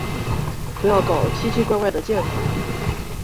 不要搞奇奇怪怪的建筑。